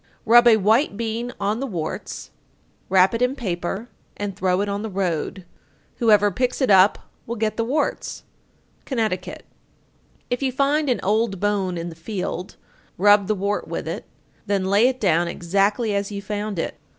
_ 886. Rub a white bean on the warts, wrap it in paper, and throw it on the road; whoever picks it up will get the warts. Connecticut. 887. If you find an old bone in the field, rub the wart with it, then lay it down exactly as you found it.